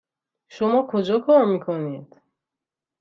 شما کجا کار میکنید؟